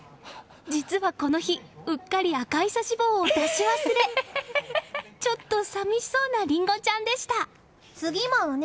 実は、この日うっかり赤いさし棒を出し忘れちょっと寂しそうなりんごちゃんでした。